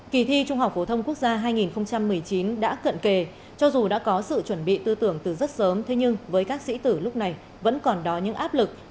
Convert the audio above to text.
kỳ thi trung học phổ thông quốc gia hai nghìn một mươi chín đã cận kề cho dù đã có sự chuẩn bị tư tưởng từ rất sớm thế nhưng với các sĩ tử lúc này vẫn còn đó những áp lực